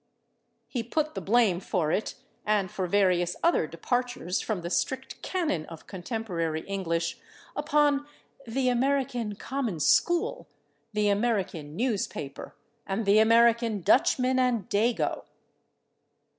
He put the blame for it, and for various other departures from the strict canon of contemporary English, upon "the American common school, the American newspaper, and the American Dutchman and Dago."